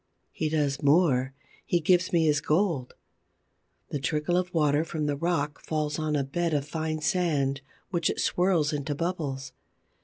He does more: he gives me his gold. The trickle of water from the rock falls on a bed of fine sand which it swirls into bubbles.